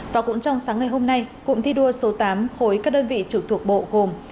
và cũng trong sáng ngày hôm nay cụm thi đua số tám khối các đơn vị trực thuộc bộ gồm